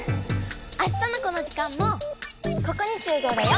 あしたのこの時間もここにしゅう合だよ！